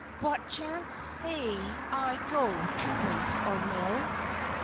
"Vot chance haye I to go to Race or Mill?